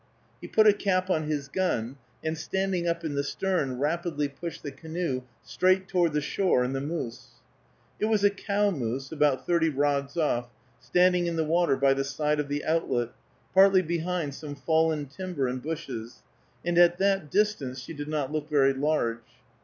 He put a cap on his gun, and, standing up in the stern, rapidly pushed the canoe straight toward the shore and the moose. It was a cow moose, about thirty rods off, standing in the water by the side of the outlet, partly behind some fallen timber and bushes, and at that distance she did not look very large.